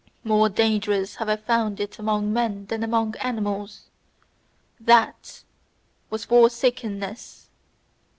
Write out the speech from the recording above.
More dangerous have I found it among men than among animals:' THAT was forsakenness!